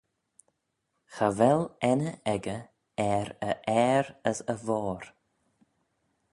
Cha vel enney echey er e ayr as e voir.